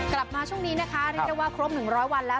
กลับมาช่วงนี้นะคะเรียกได้ว่าครบ๑๐๐วันแล้ว